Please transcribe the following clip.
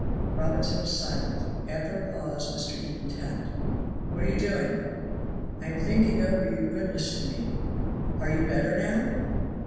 Robinson was silent. After a pause Mr. Eden tapped. "What are you doing?" "I am thinking over your goodness to me." "Are you better now?"